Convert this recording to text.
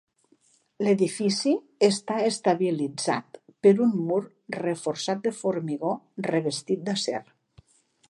L'edifici està estabilitzat per un mur reforçat de formigó revestit d'acer.